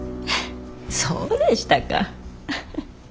そうでしたか。